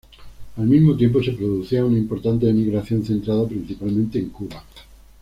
Al mismo tiempo se producía una importante emigración centrada principalmente en Cuba.